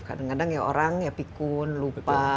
kadang kadang orang pikun lupa